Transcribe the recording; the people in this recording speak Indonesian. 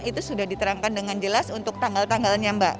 itu sudah diterangkan dengan jelas untuk tanggal tanggalnya mbak